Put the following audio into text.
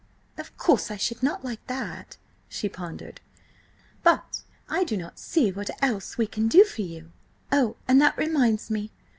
"Of course I should not like that," she pondered. "But I do not see what else we can do for you. Oh, and that reminds me!